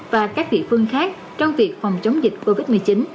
và các địa phương khác trong việc phòng chống dịch covid một mươi chín